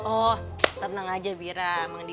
oh tenang aja bira